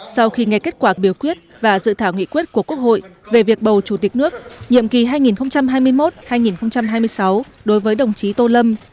sau khi nghe kết quả biểu quyết và dự thảo nghị quyết của quốc hội về việc bầu chủ tịch nước nhiệm kỳ hai nghìn hai mươi một hai nghìn hai mươi sáu đối với đồng chí tô lâm